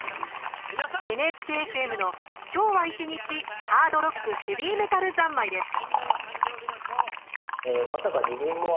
ＮＨＫＦＭの「今日は一日“ハードロック／ヘビーメタル”三昧」です。